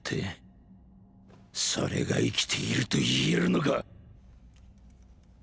それが生きていると言えるのか？